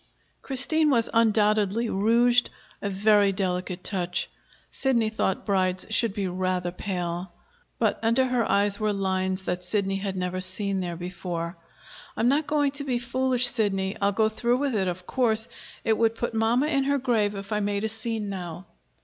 Christine was undoubtedly rouged, a very delicate touch. Sidney thought brides should be rather pale. But under her eyes were lines that Sidney had never seen there before. "I'm not going to be foolish, Sidney. I'll go through with it, of course. It would put mamma in her grave if I made a scene now."